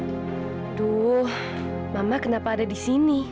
aduh mama kenapa ada di sini